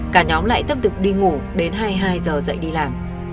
cả nhóm lại tiếp tục đi ngủ đến hai mươi hai h dậy đi làm